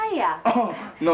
kan itu abang